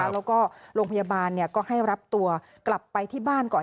แล้วก็โรงพยาบาลก็ให้รับตัวกลับไปที่บ้านก่อน